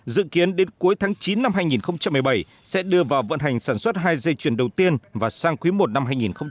dự kiến đến cuối tháng chín năm hai nghìn một mươi bảy sẽ đưa vào vận hành sản xuất hai dây chuyền đầu tiên và sang quý i năm hai nghìn hai mươi